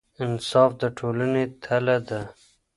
انصاف د ټولنې تله ده.